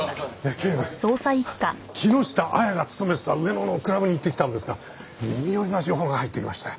警部木下亜矢が勤めてた上野のクラブに行ってきたんですが耳寄りな情報が入ってきましたよ。